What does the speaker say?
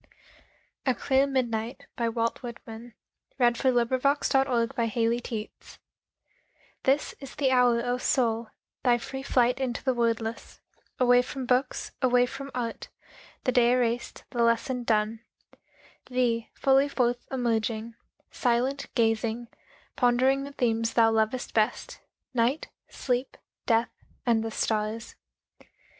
k my Captain lies, Fallen Cold and Dead. Walt Whitman (1865) A Clear Midnight THIS is the hour, O soul, thy free flight into the wordless, Away from books, away from art, the day erased, the lesson done, Thee fully forth emerging, silent, gazing, pondering the themes thou lovest best: Night, sleep, death, and the stars.